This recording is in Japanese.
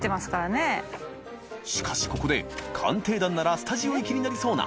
ここで鑑定団ならスタジオ行きになりそうな仿鯣